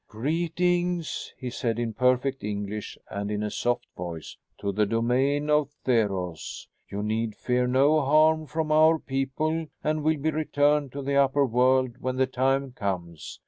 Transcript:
"Greetings," he said, in perfect English and in a soft voice, "to the domain of Theros. You need fear no harm from our people and will be returned to the upper world when the time comes.